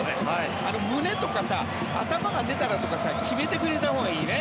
胸とか頭が出たらとか決めてくれたほうがいいね。